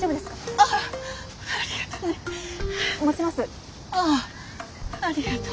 あっありがとう。